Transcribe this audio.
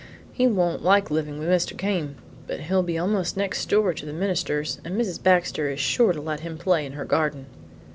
He won't like living with Mr. Came, but he'll be almost next door to the minister's, and Mrs. Baxter is sure to let him play in her garden."